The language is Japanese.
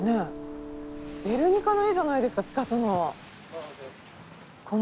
「ゲルニカ」の絵じゃないですかピカソの。